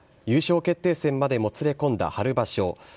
優勝決定戦までもつれ込んだ春場所。